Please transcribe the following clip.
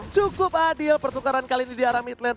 cukup adil pertukaran kali ini di area midlane